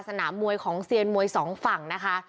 สนามวัยของเซียนวัย๒ฝั่งนะคะ